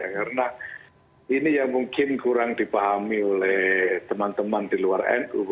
karena ini yang mungkin kurang dipahami oleh teman teman di luar nu